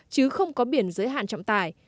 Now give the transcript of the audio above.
chứ không có biển giới hạn trọng tải